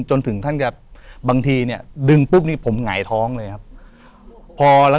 จนถึงท่านก็บางทีเนี่ยดึงปุ๊บนี่ผมหงายท้องเลยครับ